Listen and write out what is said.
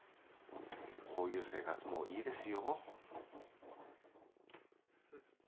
こういう生活もいいですよ。